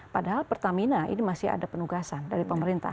padahal pertamina ini masih ada penugasan dari pemerintah